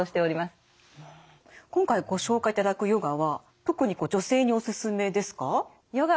今回ご紹介いただくヨガは特に女性にお勧めですか？